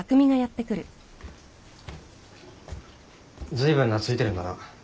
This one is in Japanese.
ずいぶん懐いてるんだな。